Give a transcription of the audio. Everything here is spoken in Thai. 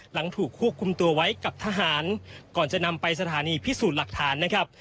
หลังถูกควบคุมตัวไว้กับทหารก่อนจะนำไปสถานีพิสูจน์หลักฐานนะครับ